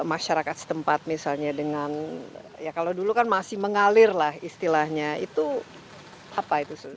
masyarakat setempat misalnya dengan ya kalau dulu kan masih mengalir lah istilahnya itu apa itu